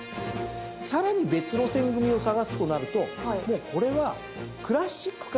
さらに別路線組を探すとなるともうこれはクラシックからの転向組ですよ。